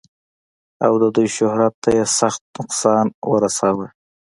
او د دوي شهرت تۀ ئې سخت نقصان اورسولو